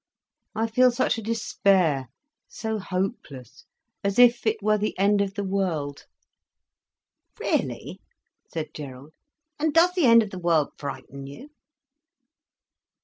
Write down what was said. I feel such a despair, so hopeless, as if it were the end of the world." "Really!" said Gerald. "And does the end of the world frighten you?"